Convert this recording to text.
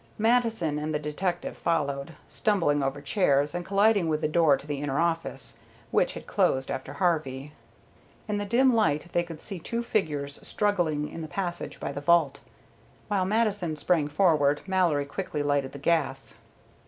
Mattison and the detective followed, stumbling over chairs, and colliding with the door to the inner office, which had closed after Harvey. In the dim light they could see two figures struggling in the passage by the vault. While Mattison sprang forward, Mallory quickly lighted the gas.